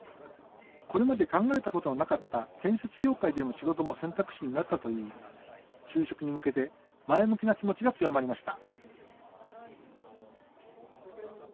これまで考えたことのなかった建設業界での仕事も選択肢になったといい就職に向けて前向きな気持ちが強まりました。